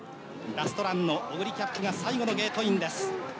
ラストランのオグリキャップが最後のゲートインです。